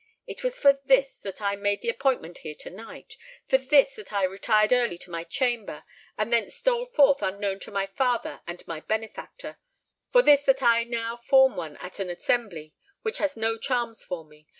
It was for this that I made the appointment here to night—for this that I retired early to my chamber, and thence stole forth unknown to my father and my benefactor—for this that I now form one at an assembly which has no charms for me!